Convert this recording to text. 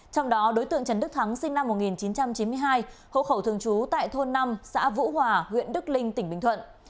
trong đó đối tượng trần đức thắng sinh năm một nghìn chín trăm chín mươi hai hộ khẩu thường trú tại thôn năm xã vũ hòa huyện đức linh tỉnh bình thuận